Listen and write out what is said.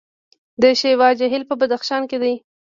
د شیوا جهیل په بدخشان کې دی